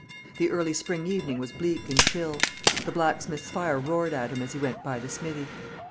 The early spring evening was bleak and chill. The blacksmith's fire roared at him as he went by the smithy.